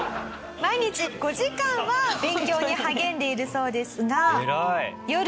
毎日５時間は勉強に励んでいるそうですが夜になると。